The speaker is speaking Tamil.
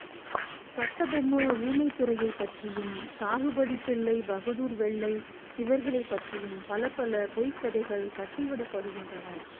கட்டபொம்மு ஊமைத்துரையைப் பற்றியும் தாகுப்பதிப் பிள்ளை, பகதூர் வெள்ளை இவர்களைப் பற்றியும் பலப்பலப்பொய்க் கதைகள் கட்டிவிடப்படுகின்றன.